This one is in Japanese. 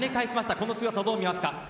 この強さ、どう見ますか？